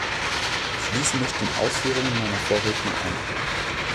Ich schließe mich den Ausführungen meiner Vorredner an.